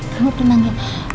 kamu harus tenangin